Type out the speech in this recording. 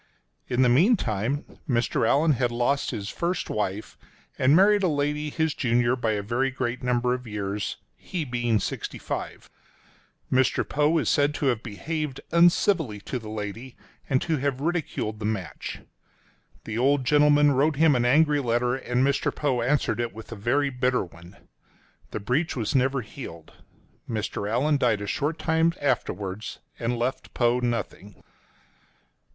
In the meantime, Mr. Allan had lost his first wife, and married a lady his junior by a very great number of years — he being sixty five. Mr. Poe is said to have behaved uncivilly to the lady and to have ridiculed the match. The old gentleman wrote him an angry letter, and Mr. Poe answered it with a very bitter one. The breach was never healed. Mr. Allan died a short time afterwards, and left Poe nothing.